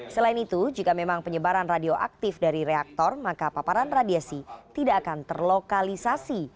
selain itu jika memang penyebaran radioaktif dari reaktor maka paparan radiasi tidak akan terlokalisasi